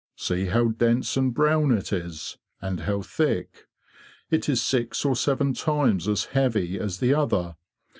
See how dense and brown it is, and how thick; it is six or seven times as heavy as the other.